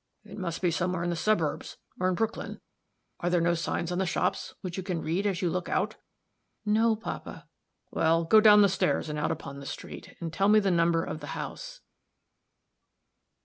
"It must be somewhere in the suburbs, or in Brooklyn. Are there no signs on the shops, which you can read, as you look out?" "No, papa." "Well, go down the stairs, and out upon the street, and tell me the number of the house."